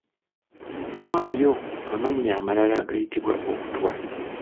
Waayo amannya amalala agayitibwa obutwa .